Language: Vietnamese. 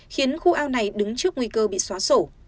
khiến khu ao này đứng trước nguy cơ bị xóa sổ